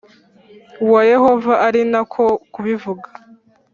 wa Yehova ari na ko kubivuga